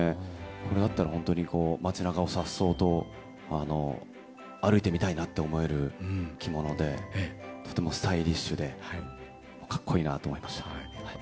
これだったら本当に、街なかをさっそうと歩いてみたいなって思える着物で、とてもスタイリッシュでかっこいいなと思いました。